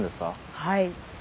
はい。